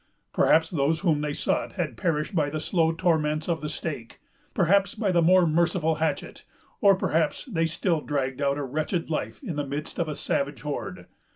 Perhaps those whom they sought had perished by the slow torments of the stake; perhaps by the more merciful hatchet; or perhaps they still dragged out a wretched life in the midst of a savage horde.